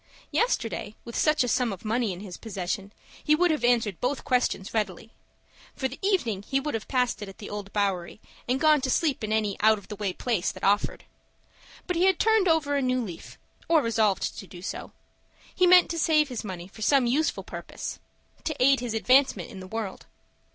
Yesterday, with such a sum of money in his possession, he would have answered both questions readily. For the evening, he would have passed it at the Old Bowery, and gone to sleep in any out of the way place that offered. But he had turned over a new leaf, or resolved to do so. He meant to save his money for some useful purpose,—to aid his advancement in the world.